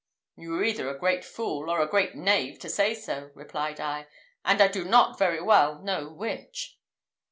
"You were either a great fool or a great knave to say so," replied I, "and I do not very well know which."